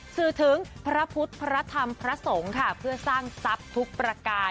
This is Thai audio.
สื่อถึงพระพุทธพระธรรมพระสงฆ์ค่ะเพื่อสร้างทรัพย์ทุกประการ